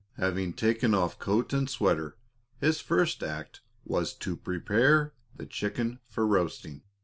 Having taken off coat and sweater, his first act was to prepare the chicken for roasting.